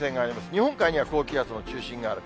日本海には高気圧の中心がある。